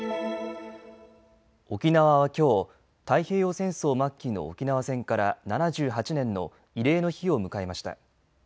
沖縄はきょう太平洋戦争末期の沖縄戦から７８年の慰霊の日を迎えました。